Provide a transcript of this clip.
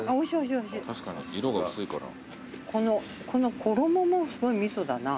この衣もすごいみそだな。